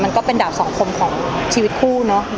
ก็เป็นดาบสองคมของชีวิตคู่เนอะ